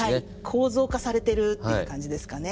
構造化されてるっていう感じですかね。